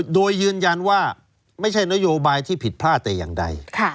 โดยยืนยันว่าไม่ใช่นโยบายที่ผิดพลาดแต่อย่างใด